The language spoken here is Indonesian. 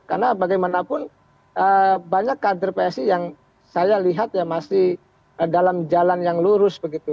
karena bagaimanapun banyak kader psi yang saya lihat ya masih dalam jalan yang lurus begitu